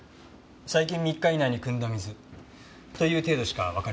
最近３日以内に汲んだ水という程度しかわかりません。